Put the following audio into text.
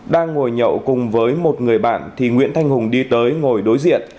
đang ngồi nhậu cùng với một người bạn thì nguyễn thanh hùng đi tới ngồi đối diện